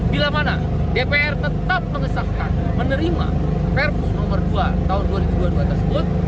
bila mana dpr tetap mengesahkan menerima perpu nomor dua tahun dua ribu dua puluh dua tersebut